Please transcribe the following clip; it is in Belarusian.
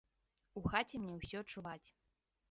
У хаце мне ўсё чуваць.